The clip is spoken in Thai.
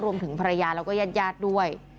รวมถึงภรรยาแล้วก็ยาดด้วย